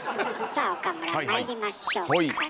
さあ岡村まいりましょうか。